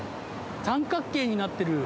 三角形になってる。